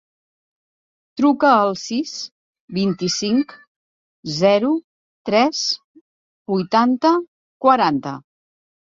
Truca al sis, vint-i-cinc, zero, tres, vuitanta, quaranta.